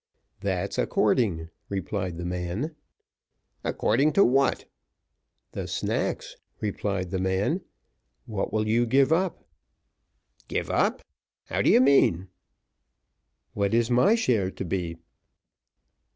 "That's according," replied the man. "According to what?" "The snacks," replied the man. "What will you give up?" "Give up! How do you mean?" "What is my share to be?"